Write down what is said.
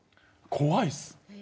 怖いっす。